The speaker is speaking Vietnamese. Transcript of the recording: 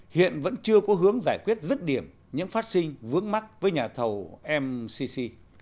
hiện vẫn chưa có hướng giải quyết rứt điểm những phát sinh vướng mắt với nhà thầu mcc